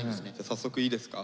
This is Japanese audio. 早速いいですか？